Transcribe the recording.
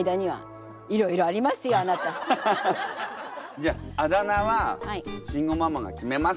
じゃああだ名は慎吾ママが決めます。